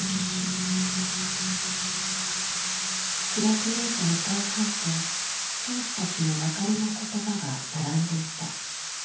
クラスメートの大半と教師たちの別れの言葉が並んでいた。